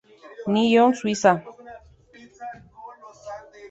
Nyon, Suiza.